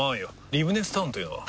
リブネスタウンというのは？